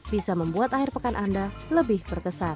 bisa membuat akhir pekan anda lebih berkesan